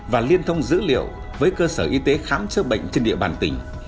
và liên thông dữ liệu với cơ sở y tế khám chữa bệnh trên địa bàn tỉnh